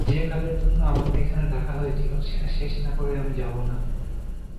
যে কাজের জন্য আমাকে এখানে ডাকা হয়েছিল সেটা শেষ না করে আমি যাবো না।